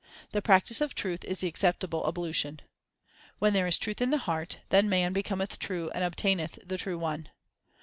The practice of truth is the acceptable ablution. When there is truth in the heart, then man becometh true and obtaineth the True One.